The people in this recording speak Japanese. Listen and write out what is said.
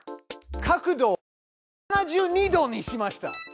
角度を７２度にしました。